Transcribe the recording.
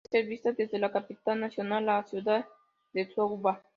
Puede ser vista desde la capital nacional, la ciudad de Suva.